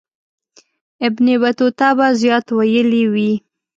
ابن بطوطه به زیات ویلي وي.